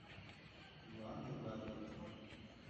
Ku ruhande rwa Leta